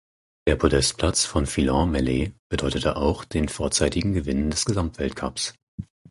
Der Podestplatz von Fillon Maillet bedeutete auch den vorzeitigen Gewinn des Gesamtweltcups.